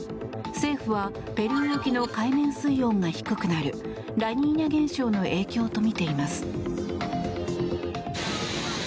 政府はペルー沖の海面水温が低くなるラニーニャ現象の影響とみています。